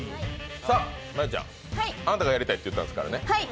真悠ちゃん、あなたがやりたいって言ったんですからね。